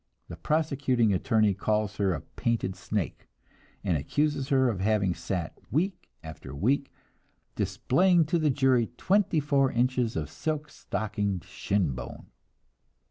The prosecuting attorney calls her a "painted snake," and accuses her of having sat week after week "displaying to the jury twenty four inches of silk stockinged shin bone."